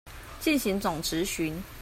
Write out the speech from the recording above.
進行總質詢